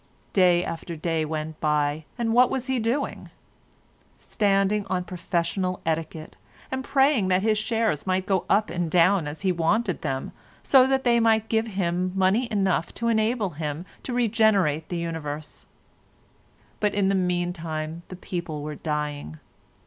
Day after day went by, and what was he doing? Standing on professional etiquette, and praying that his shares might go up and down as he wanted them, so that they might give him money enough to enable him to regenerate the universe. But in the meantime the people were dying.